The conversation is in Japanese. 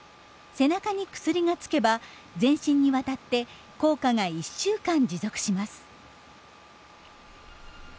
背中に薬がつけば全身に渡って効果が１週間持続します。